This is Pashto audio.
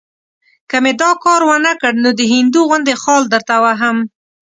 که مې دا کار ونه کړ، نو د هندو غوندې خال درته وهم.